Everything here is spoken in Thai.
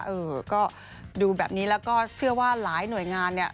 เออก็ดูแบบนี้แล้วก็เชื่อว่าหลายหน่วยงานเนี่ย